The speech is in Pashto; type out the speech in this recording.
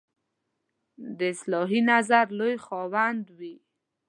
د اصلاحي نظر لوی خاوند وي.